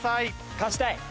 勝ちたい。